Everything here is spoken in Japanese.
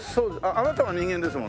あなたは人間ですもんね？